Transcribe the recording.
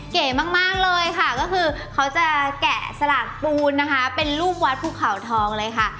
เก๋มากเลยค่ะก็คือเขาจะแกะสลากปูนนะคะเป็นลูกวัดภูเขาทองเลยค่ะ